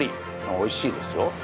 おいしいですよ。